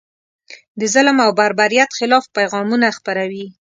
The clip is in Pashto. د ظلم او بربریت خلاف پیغامونه خپروي.